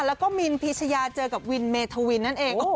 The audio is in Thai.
แล้วก็มินพีชยาเจอกับวินเมธวินนั่นเอง